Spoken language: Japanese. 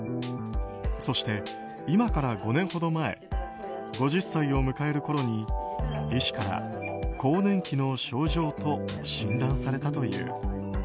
そして、今から５年ほど前５０歳を迎えるころに医師から更年期の症状と診断されたという。